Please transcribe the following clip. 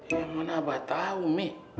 ya mana abah tau mi